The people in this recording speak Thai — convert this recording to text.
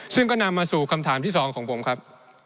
ซึ่งก็นำมาสู่คำถามที่๒ของผมครับ